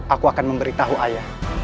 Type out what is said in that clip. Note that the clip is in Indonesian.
aku akan memberitahu ayah